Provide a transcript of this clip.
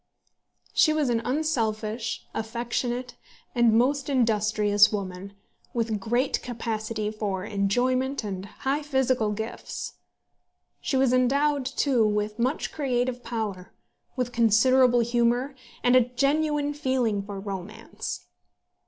She was an unselfish, affectionate, and most industrious woman, with great capacity for enjoyment and high physical gifts. She was endowed too, with much creative power, with considerable humour, and a genuine feeling for romance.